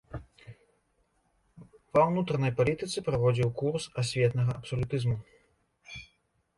Ва ўнутранай палітыцы праводзіў курс асветнага абсалютызму.